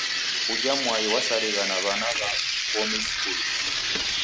Uja mwai wasarigha na w'ana w'a w'omi skulu.